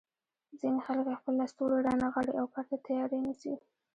ځینې خلک خپل لستوڼي رانغاړي او کار ته تیاری نیسي.